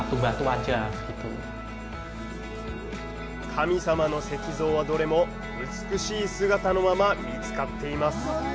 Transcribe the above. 神様の石像は、どれも美しい姿のまま見つかっています。